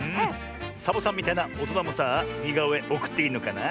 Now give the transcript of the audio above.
サボさんみたいなおとなもさあにがおえおくっていいのかな？